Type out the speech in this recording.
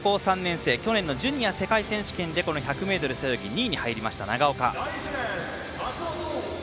去年のジュニア世界選手権で１００ｍ背泳ぎの２位に入りました、長岡。